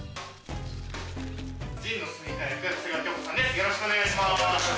よろしくお願いします。